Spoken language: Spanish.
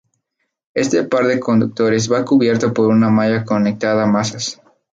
Este par de conductores va cubierto por una malla conectada a masa.